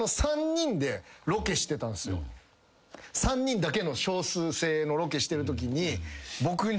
３人だけの少数精鋭のロケしてるときに僕に。